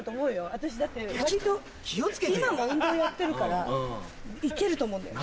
私だって割と今も運動やってるからいけると思うんだよね。